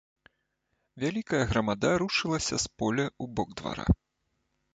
Вялікая грамада рушылася з поля ў бок двара.